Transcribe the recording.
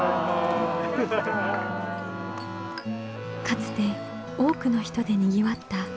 かつて多くの人でにぎわった石見銀山の町。